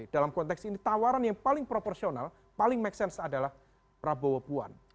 dalam konteks ini tawaran yang paling proporsional paling make sense adalah prabowo puan